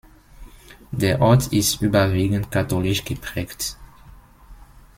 Der Ort ist überwiegend katholisch geprägt.